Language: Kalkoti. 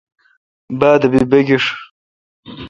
بادبی بگھیݭ۔